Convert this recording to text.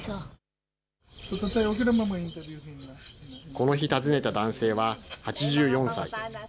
この日、訪ねた男性は８４歳。